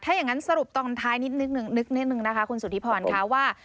ถ้าอย่างงั้นสรุปตอนท้ายนิดนึงนะคะคุณสุธิพรค่ะว่า